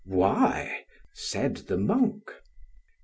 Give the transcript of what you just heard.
Why? said the monk.